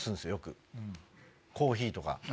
コーヒーとか。